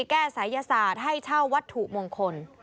ศัยศาสตร์ให้เช่าวัตถุมงคล